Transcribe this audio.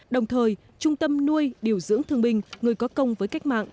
đồng thời trung tâm nuôi điều dưỡng thương binh người có công với cách mạng